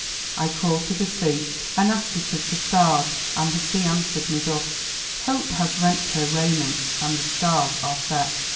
I called to the sea, and asked it of the stars, and the sea answered me thus: "'Hope has rent her raiment, and the stars are set.